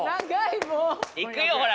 行くよほら